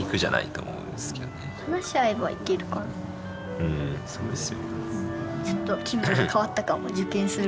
うんそうですよ。